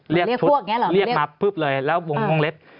เรียกชุดเรียกมาปุ๊บเลยแล้ววงเล็บ